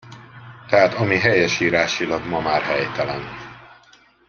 Tehát ami helyesírásilag ma már helytelen.